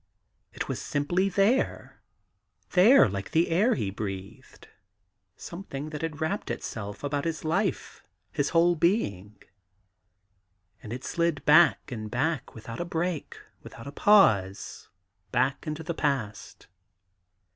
It was simply there — there like the air he breathed — some thing that had wrapped itself about his life, his whole being. And it slid back and back, without a break, without a pause, back into the past.